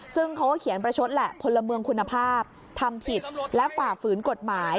ซึ่งเขาก็เขียนประชดแหละพลเมืองคุณภาพทำผิดและฝ่าฝืนกฎหมาย